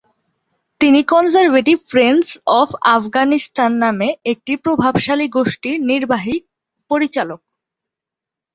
তিনি Conservative Friends of Afghanistan নামে একটি প্রভাবশালী গোষ্ঠীর নির্বাহী পরিচালক।